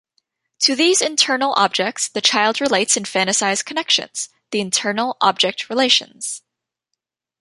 To these internal objects the child relates in fantasised connections, the internal object relations.